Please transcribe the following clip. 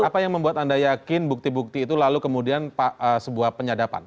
apa yang membuat anda yakin bukti bukti itu lalu kemudian sebuah penyadapan